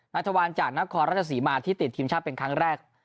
ทวานจากนครราชสีมาที่ติดทีมชาติเป็นครั้งแรก